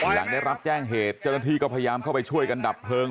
หลังได้รับแจ้งเหตุเจ้าหน้าที่ก็พยายามเข้าไปช่วยกันดับเพลิง